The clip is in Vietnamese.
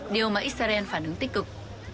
điều mà israel phản ứng tích cực